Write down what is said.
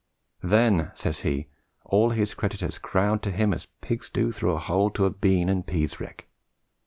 "Then," says he, "all his creditors crowd to him as pigs do through a hole to a bean and pease rick."